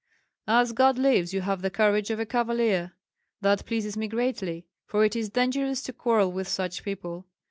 "As God lives, you have the courage of a cavalier. That pleases me greatly, for it is dangerous to quarrel with such people.